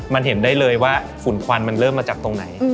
มันเห็นได้เลยว่าฝุ่นควันมันเริ่มมาจากตรงไหน